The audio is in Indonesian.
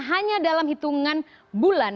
hanya dalam hitungan bulan